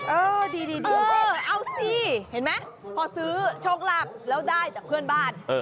เออดีเอาสิเห็นไหมพอซื้อโชคลาภแล้วได้จากเพื่อนบ้าน